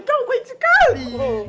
kau baik sekali